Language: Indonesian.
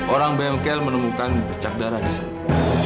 orang bengkel menemukan bercak darah di sana